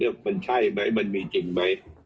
ว่ามันใช่ไหมมันมีจริงไหม